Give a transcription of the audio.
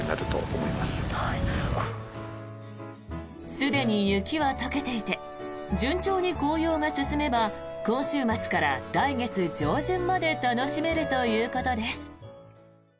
すでに雪は解けていて順調に紅葉が進めば今週末から来月上旬まで楽しめるということです。